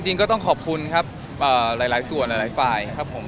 จริงก็ต้องขอบคุณครับหลายส่วนหลายฝ่ายนะครับผม